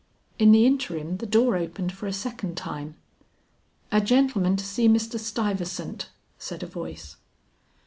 In the interim the door opened for a second time. "A gentleman to see Mr. Stuyvesant," said a voice.